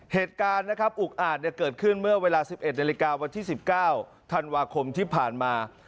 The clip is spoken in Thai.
เหตุการณ์นะครับอุกอาจเกิดขึ้นเมื่อเวลา๑๑นาฬิกาวันที่๑๙ธันวาคมที่ผ่านมา